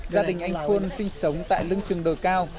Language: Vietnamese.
gia đình anh phôn sinh sống tại lưng trường đồi cao